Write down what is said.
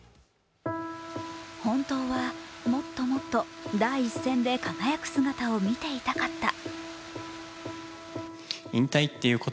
本当はもっともっと第一線で輝く姿を見ていたかった。